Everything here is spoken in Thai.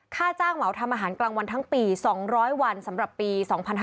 ค่าจ้างเหมาทำอาหารกลางวันทั้งปี๒๐๐วันสำหรับปี๒๕๕๙